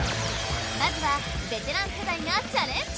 まずはベテラン世代がチャレンジ！